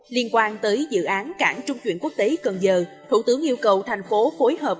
liên quan tới dự án cảng trung chuyển quốc tế cần giờ thủ tướng yêu cầu thành phố phối hợp